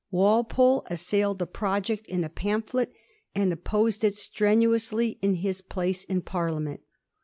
Walpole aasailed the project in a pamphlet, and opposed it strenuously in his pla^e in Parliament.